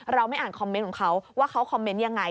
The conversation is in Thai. เราไม่อ่านคอมเมนต์ของเขาว่าเขาคอมเมนต์ยังไง